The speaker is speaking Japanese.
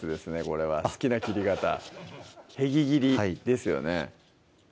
これは好きな切り方へぎ切りですよね